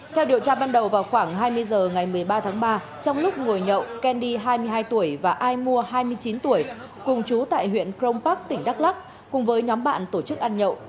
theo điều tra ban đầu vào khoảng hai mươi h ngày một mươi ba tháng ba trong lúc ngồi nhậu keny hai mươi hai tuổi và ai mua hai mươi chín tuổi cùng chú tại huyện crong park tỉnh đắk lắc cùng với nhóm bạn tổ chức ăn nhậu